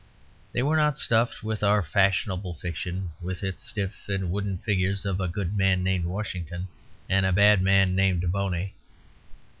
They were not stuffed with our fashionable fiction, with its stiff and wooden figures of a good man named Washington and a bad man named Boney.